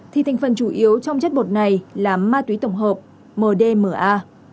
thì thành phần chủ yếu trong chất bột này là ma túy tổng hợp mdma